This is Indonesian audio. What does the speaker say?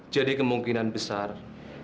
jadi kemungkinan besar pasien akan jatuh